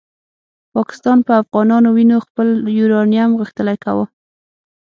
پاکستان په افغانانو وینو خپل یورانیوم غښتلی کاوه.